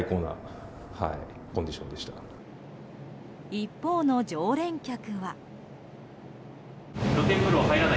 一方の常連客は。